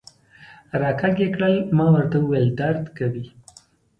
را کږ یې کړل، ما ورته وویل: درد کوي.